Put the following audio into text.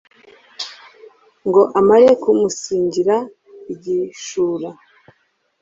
ngo amare kumusingira igishura